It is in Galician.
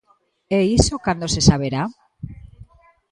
E iso cando se saberá?